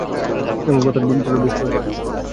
যেমন প্রথম বৃষ্টির পরে মাটির সুবাস।